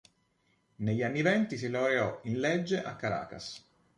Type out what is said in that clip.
Negli anni venti si laureò in legge a Caracas.